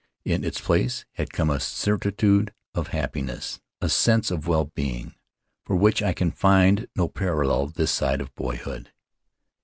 In its place had come a certitude of happi ness, a sense of well being for which I can find no parallel this side of boyhood.